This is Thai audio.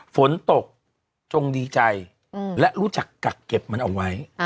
ฝนตกจงดีใจและรู้จักกักเก็บมันเอาไว้